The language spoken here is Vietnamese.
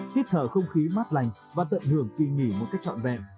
hít thở không khí mát lành và tận hưởng kỳ nghỉ một cách trọn vẹn